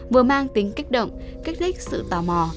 vừa mang tính kích động kích thích sự tò mò